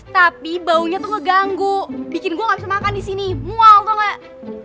tapi baunya tuh ngeganggu bikin gue gabisa makan disini mual tau gak